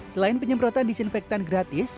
selain penyemprotan disinfektan gratis